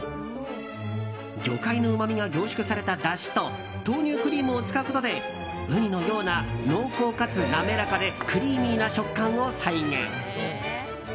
魚介のうまみが凝縮されただしと豆乳クリームを使うことでウニのような濃厚かつ滑らかでクリーミーな食感を再現。